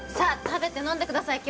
食べて飲んでください